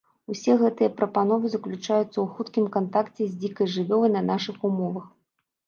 Усе гэтыя прапановы заключаецца ў хуткім кантакце з дзікай жывёлай на нашых умовах.